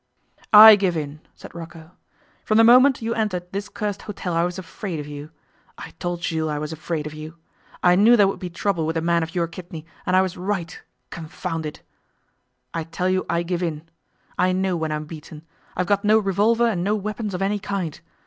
'I give in,' said Rocco. 'From the moment you entered this cursed hotel I was afraid of you. I told Jules I was afraid of you. I knew there would be trouble with a man of your kidney, and I was right; confound it! I tell you I give in. I know when I'm beaten. I've got no revolver and no weapons of any kind.